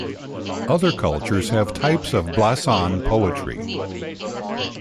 Other cultures have types of blason poetry.